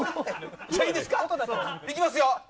いきますよ。